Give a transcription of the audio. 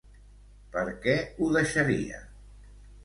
Per què ho deixaria?